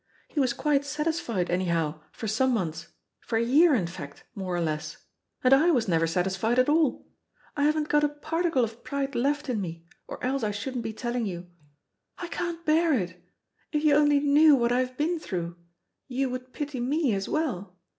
He was quite satisfied, anyhow, for some months, for a year in fact, more or less, and I was never satisfied at all. I haven't got a particle of pride left in me, or else I shouldn't be telling you. I can't bear it. If you only knew what I have been through you would pity me as well.